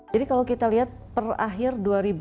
jadi kalau kita lihat per akhir dua ribu enam belas